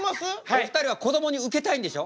お二人はこどもにウケたいんでしょ？